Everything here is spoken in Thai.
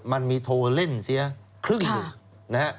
มันมีโทรเล่นเสียครึ่งหนึ่งนะฮะ